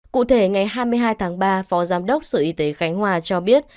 cụ thể ngày hai mươi hai tháng ba phó giám đốc sở y tế khánh hòa cho biết